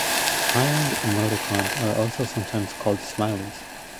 "Smiling" emoticons are also sometimes called smileys.